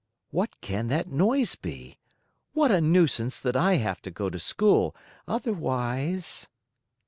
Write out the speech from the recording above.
"What can that noise be? What a nuisance that I have to go to school! Otherwise.